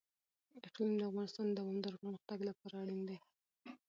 اقلیم د افغانستان د دوامداره پرمختګ لپاره اړین دي.